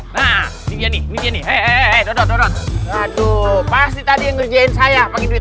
hai nah ini nih ini hehehe dodo dodo aduh pasti tadi ngerjain saya pakai duit